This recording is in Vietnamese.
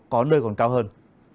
có nơi còn cao hơn